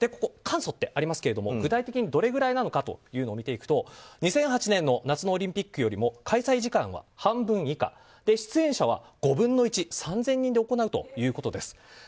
簡素ってありますが具体的にどれぐらいなのか見ていくと、２００８年の夏のオリンピックよりも開催時間は半分以下出演者は５分の１３０００人で行うということです。